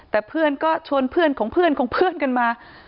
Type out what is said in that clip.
แต่เพื่อนก็ชวนเพื่อนของเพื่อนของเพื่อนกันมา